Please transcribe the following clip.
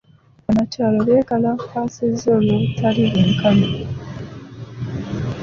Bannakyalo beekalakaasizza olw'obutali bwenkanya.